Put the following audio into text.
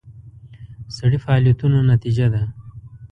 سړي فعالیتونو نتیجه ده.